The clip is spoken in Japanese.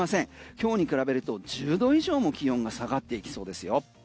今日に比べると１０度以上も気温が下がっていきそうですよ。